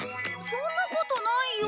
そんなことないよ！